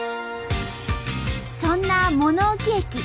そんな物置駅。